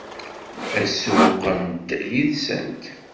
Ad sewweqent yid-sent?